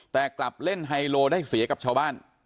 แต่กลับเล่นไฮโลได้เสียกับชาวบ้าน